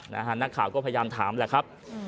นักข่าวก็พยายามถามแหละครับ